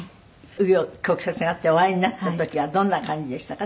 紆余曲折があってお会いになった時はどんな感じでしたか？